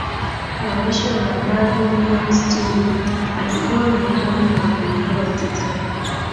mwandishi wa habari william stead alikuwa miongoni mwa abiria wa titanic